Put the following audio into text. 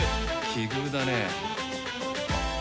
奇遇だね。